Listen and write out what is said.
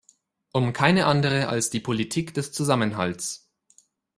Um keine andere als die Politik des Zusammenhalts.